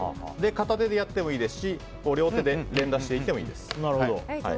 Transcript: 片手でやってもいいですし両手で連打していってもいいです。